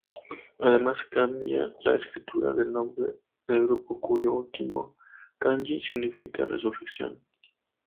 Además cambian la escritura del nombre del grupo, cuyo último kanji 甦 significa "Resurrección".